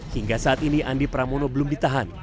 hingga saat ini andi pramono belum ditahan